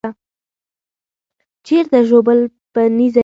چیرته ژوبل په نېزه یې